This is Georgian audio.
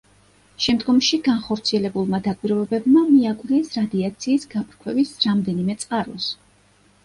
შემდგომში განხორციელებულმა დაკვირვებებმა მიაკვლიეს რადიაციის გაფრქვევის რამდენიმე წყაროს.